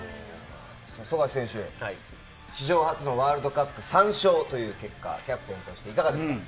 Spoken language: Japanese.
富樫選手、史上初のワールドカップ３勝という結果、キャプテンとして、いかがですか。